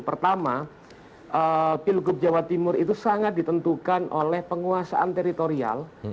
pertama pilgub jawa timur itu sangat ditentukan oleh penguasaan teritorial